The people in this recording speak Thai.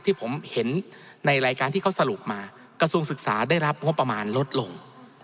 ที่ผมเห็นในรายการที่เขาสรุปมากระทรวงศึกษาได้รับงบประมาณลดลง